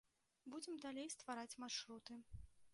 Будзем далей ствараць маршруты.